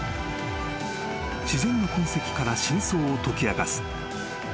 ［自然の痕跡から真相を解き明かす